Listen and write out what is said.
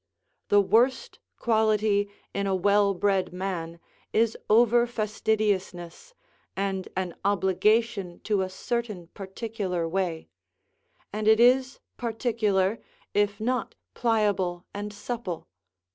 The worst quality in a well bred man is over fastidiousness, and an obligation to a certain particular way; and it is particular, if not pliable and supple.